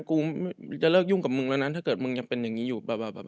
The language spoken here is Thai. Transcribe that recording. กูจะเลิกยุ่งกับมึงแล้วนะถ้าเกิดมึงยังเป็นอย่างนี้อยู่แบบ